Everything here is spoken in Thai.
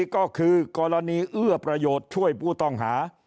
ก็คือกรณีเอื้อประโยชน์ช่วยผู้ต้องหา